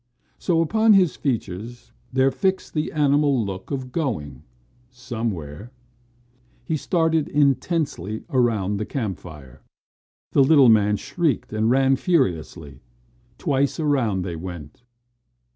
So upon his features there fixed the animal look of going somewhere. He started intensely around the campfire. The little man shrieked and ran furiously. Twice around they went.